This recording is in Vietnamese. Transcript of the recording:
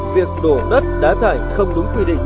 việc đổ đất đá tải không đúng quy định